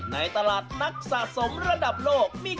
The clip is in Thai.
ในตลาดนักสกสมระดับโลกมีความต้องการสูง